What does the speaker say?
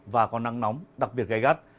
và có nắng nóng đặc biệt gây gắt